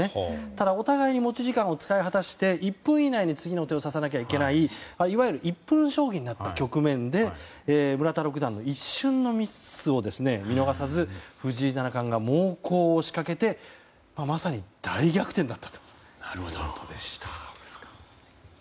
ただ、お互いに持ち時間を使い果たして１分以内に次の手を指さなきゃいけないいわゆる１分将棋になった局面で村田六段の一瞬のミスを見逃さず藤井七冠が猛攻を仕掛けてまさに大逆転だったということでした。